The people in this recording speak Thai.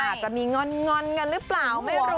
อาจจะมีงอนกันหรือเปล่าไม่รู้